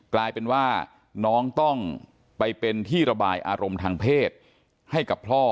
กลายเป็นว่าน้องต้องไปเป็นที่ระบายอารมณ์ทางเพศให้กับพ่อ